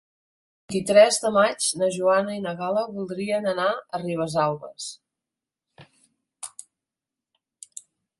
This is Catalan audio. El vint-i-tres de maig na Joana i na Gal·la voldrien anar a Ribesalbes.